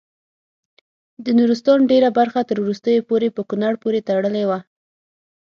د نورستان ډیره برخه تر وروستیو پورې په کونړ پورې تړلې وه.